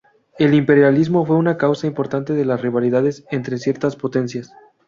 El imperialismo fue una causa importante de las rivalidades entre ciertas potencias.